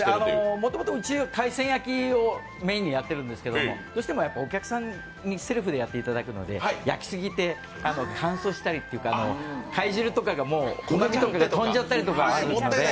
もともとうち、海鮮焼きをメインにやっているんですがどうしてもお客さんにセルフでやっていただくので焼き過ぎて乾燥したりというか、貝汁とかが飛んじゃったりする。